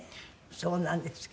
そうなんですか。